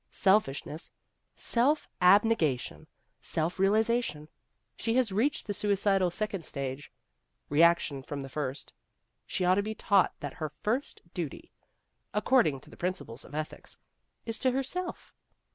Selfishness, self abnegation, self realization. She has reached the suicidal second stage reaction from the first. She ought to be taught that her first duty, according to the principles of ethics, is to herself."